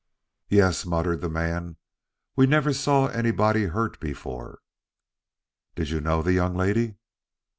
"Yes, yes," muttered the man. "We never saw anybody hurt before." "Did you know the young lady?"